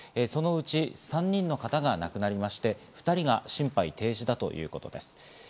そのうち３人の方が亡くなりまして、２人が心肺停止だということです。